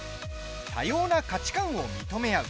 多様な価値観を認め合う。